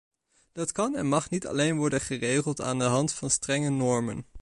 Dat kan en mag niet alleen worden geregeld aan de hand van strenge normen.